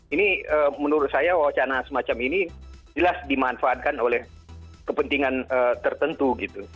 ini menurut saya wacana semacam ini jelas dimanfaatkan oleh kepentingan tertentu gitu